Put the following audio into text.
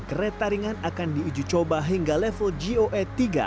kereta ringan akan diuji coba hingga level goe tiga